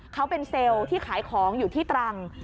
เขาเป็นเซลล์ที่ขายของอยู่ที่ตรัง